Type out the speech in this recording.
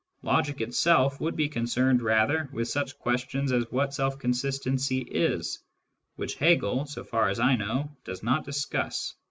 /'Logic itself would be concerned rather with such 1 questions as what self consistency is, which Hegel, so far , as I know, does not discuss.